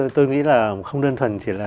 tôi nghĩ là không đơn thuần chỉ là